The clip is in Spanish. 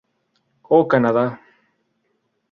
Ô Canada!